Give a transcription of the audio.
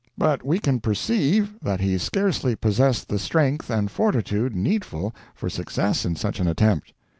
But we can perceive that he scarcely possessed the strength and fortitude needful for success in such an attempt.